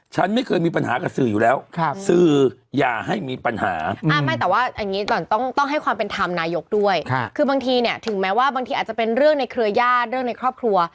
ฉันไม่เคยมีปัญหากับสื่ออยู่แล้ว